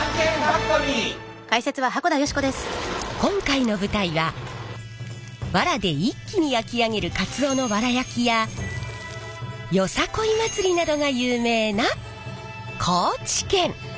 今回の舞台は藁で一気に焼き上げるカツオの藁焼きやよさこい祭りなどが有名な高知県！